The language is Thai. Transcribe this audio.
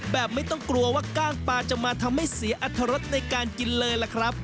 ไม่ต้องกลัวว่ากล้างปลาจะมาทำให้เสียอัตรรสในการกินเลยล่ะครับ